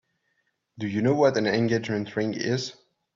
Do you know what an engagement ring is?